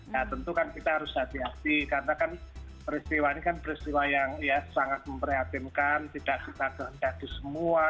nah tentu kan kita harus hati hati karena kan peristiwa ini kan peristiwa yang ya sangat memprihatinkan tidak kita kehendaki semua